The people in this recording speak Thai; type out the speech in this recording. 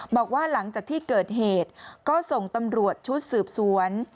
บอกว่าหลังจากที่เกิดเหตุก็ส่งตำรวจชุดสืบสวน